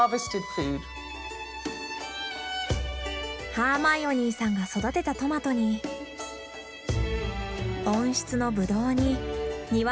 ハーマイオニーさんが育てたトマトに温室のブドウに庭のリンゴ。